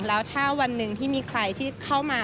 แล้วถ้าวันหนึ่งที่มีใครที่เข้ามา